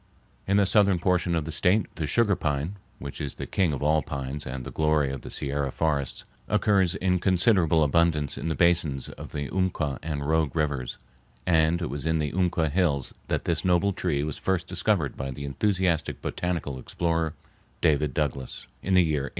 In the southern portion of the State the sugar pine, which is the king of all the pines and the glory of the Sierra forests, occurs in considerable abundance in the basins of the Umpqua and Rogue Rivers, and it was in the Umpqua Hills that this noble tree was first discovered by the enthusiastic botanical explorer David Douglas, in the year 1826.